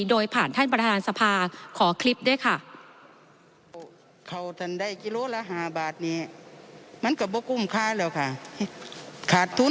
โดยผ่านท่านประธานสภาขอคลิปด้วยค่ะ